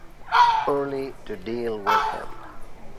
Early to deal with him.